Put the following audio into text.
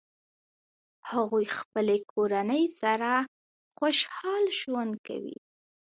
هغوی خپلې کورنۍ سره خوشحال ژوند کوي